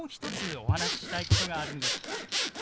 お話ししたいことがあるんです。